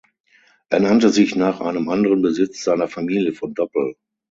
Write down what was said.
Er nannte sich nach einem anderen Besitz seiner Familie von Doppel.